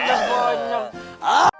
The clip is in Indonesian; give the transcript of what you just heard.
nggak ada yang bisa dikepung